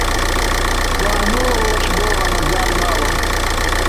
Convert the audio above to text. وا نۆ ڕۆژ بۆ ڕەمەزان ماوە